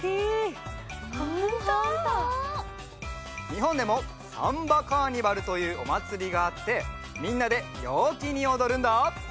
にほんでもサンバカーニバルというおまつりがあってみんなでようきにおどるんだ。